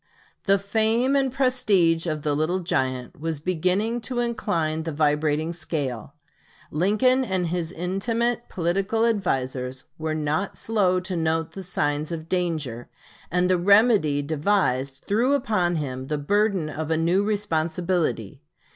The fame and prestige of the "Little Giant" was beginning to incline the vibrating scale. Lincoln and his intimate political advisers were not slow to note the signs of danger; and the remedy devised threw upon him the burden of a new responsibility.